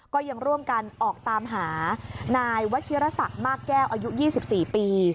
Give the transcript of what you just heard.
ก็ยังร่วมกันออกตามหานายวชิรษักมากแก้วอายุ๒๔ปี